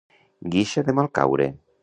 Guixa de mal caure.